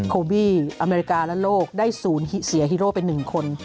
โคบี้อเมริกาและโลกได้ศูนย์เสียฮีโร่ไป๑คน